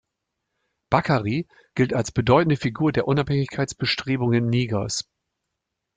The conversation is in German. Bakary gilt als bedeutende Figur der Unabhängigkeitsbestrebungen Nigers.